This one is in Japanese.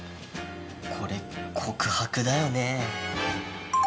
これ告白だよね？